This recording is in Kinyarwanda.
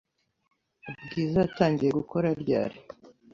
Bwiza yatangiye gukora ryari?